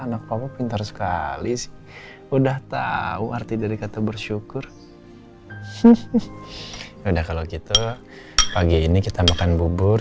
anak kamu pintar sekali udah tahu arti dari kata bersyukur udah kalau gitu pagi ini kita makan bubur